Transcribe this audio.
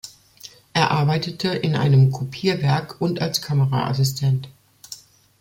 Er arbeitete in einem Kopierwerk und als Kameraassistent.